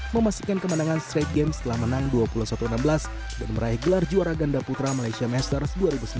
memastikan kemenangan straight game setelah menang dua puluh satu enam belas dan meraih gelar juara ganda putra malaysia masters dua ribu sembilan belas